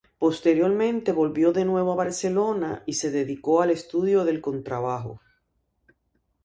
Posteriormente volvió de nuevo a Barcelona y se dedicó al estudio del contrabajo.